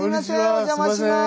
お邪魔します。